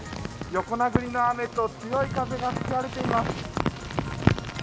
横殴りの雨と強い風が吹き荒れています。